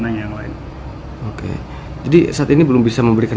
untuk isolasi terpisah dengan tanah yang lain oke jadi saat ini belum bisa memberikan